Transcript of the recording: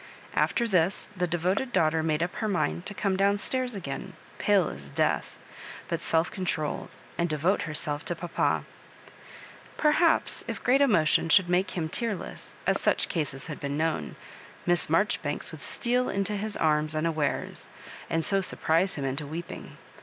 After this, the devoted daughter made up her mind to come down stairs again, pale as death, but self con trolled, and devote herself to papa. Perhaps, if great emotion should make him tearless, as such cases had been known. Miss Marjoribanks would steal into his arms unawares, and so sur prise him into weeping.